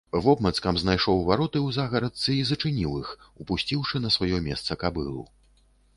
Вобмацкам знайшоў вароты ў загарадцы й зачыніў іх, упусціўшы на сваё месца кабылу.